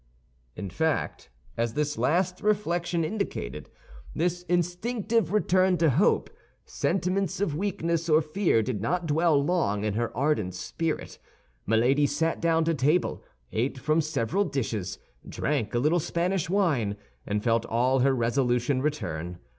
In fact, as this last reflection indicated—this instinctive return to hope—sentiments of weakness or fear did not dwell long in her ardent spirit. Milady sat down to table, ate from several dishes, drank a little Spanish wine, and felt all her resolution return.